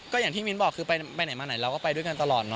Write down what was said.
ก็อย่างที่มิ้นบอกคือไปไหนมาไหนเราก็ไปด้วยกันตลอด